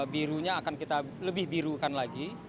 birunya akan kita lebih birukan lagi